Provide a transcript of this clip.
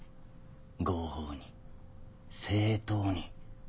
合法に正当に。